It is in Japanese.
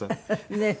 ねえ。